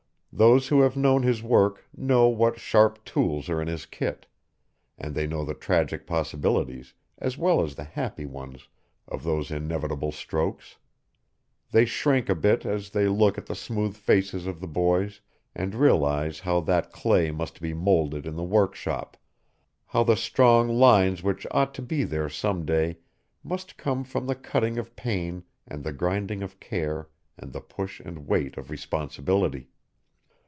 Those who have known his work know what sharp tools are in his kit; they know the tragic possibilities as well as the happy ones of those inevitable strokes; they shrink a bit as they look at the smooth faces of the boys and realize how that clay must be moulded in the workshop how the strong lines which ought to be there some day must come from the cutting of pain and the grinding of care and the push and weight of responsibility.